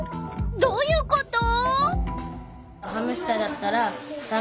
どういうこと？